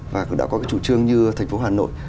và đã có chủ trương như thành phố hà nội